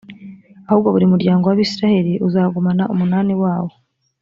ahubwo buri muryango w’abayisraheli uzagumana umunani wawo